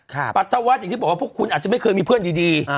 ปัตวัฒน์อย่างที่บอกว่าพวกคุณอาจจะไม่เคยมีเพื่อนดี